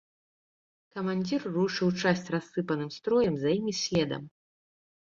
Камандзір рушыў часць рассыпаным строем за імі следам.